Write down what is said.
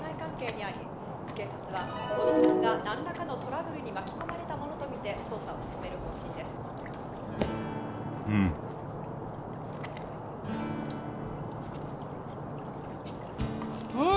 警察は小野さんが何らかのトラブルに巻き込まれたものとみて捜査を進める方針ですうんうわ